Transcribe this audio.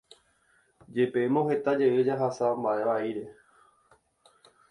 Jepémo heta jey jahasa mba'e vaíre